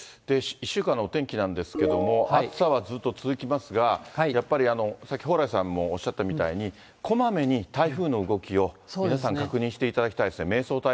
１週間のお天気なんですけども、暑さはずっと続きますが、やっぱりさっき蓬莱さんもおっしゃったみたいに、こまめに台風の動きを皆さん確認していただきたいですね。